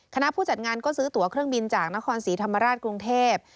คณะผู้จัดงานก็ซื้อตัวเครื่องบินจากนครศรีธรรมราชกรุงเทพ